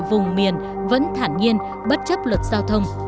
vùng miền vẫn thản nhiên bất chấp luật giao thông